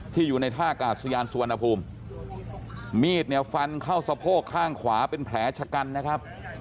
อยู่ในท่ากาศยานสุวรรณภูมิมีดเนี่ยฟันเข้าสะโพกข้างขวาเป็นแผลชะกันนะครับ